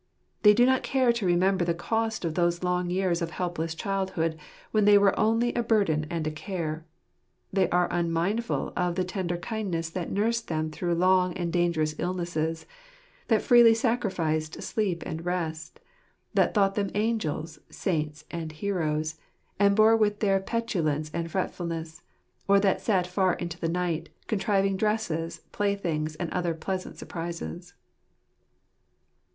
They do not care to remember the cost of those long years of helpless childhood, when they were only a burden and a care. They are unmindful of the tender kindness that nursed them through long and dangerous illnesses; that freely sacrificed sleep and rest; that thought them angels, saints, and heroes ; that bore with their petulance and fretfulness ; or that sat far into the night, contriving dresses, playthings, and other pleasant surprises.